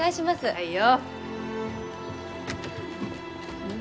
はいよ。